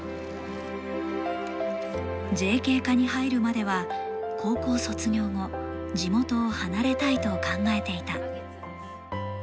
ＪＫ課に入るまでは、高校卒業後地元を離れたいと考えていた。